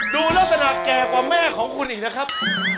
ดูลักษณะแก่กว่าแม่ของคุณอีกนะครับ